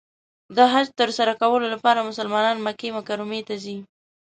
د حج تر سره کولو لپاره مسلمانان مکې مکرمې ته ځي .